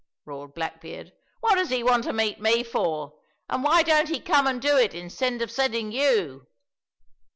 roared Blackbeard; "what does he want to meet me for, and why don't he come and do it instead of sending you?"